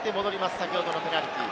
先ほどのペナルティー。